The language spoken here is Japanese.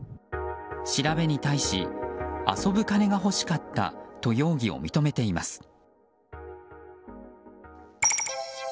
調べに対し遊ぶ金が欲しかったと容疑を認めています。